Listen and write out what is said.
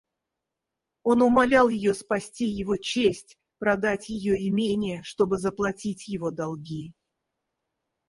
Он умолял ее спасти его честь, продать ее имение, чтобы заплатить его долги.